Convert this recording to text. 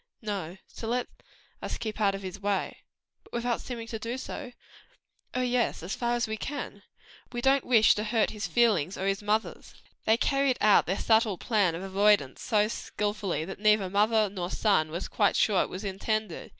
"No; so let us keep out of his way." "But without seeming to do so?" "Oh, yes; as far as we can. We don't wish to hurt his feelings or his mother's." They carried out their plan of avoidance, and so skilfully that neither mother nor son was quite sure it was intended.